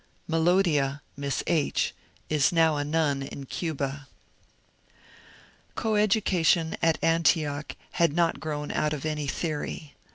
Melodia (Miss H.) is now a nun in Cuba. Coeducation at Antioch had not grown out of any theory.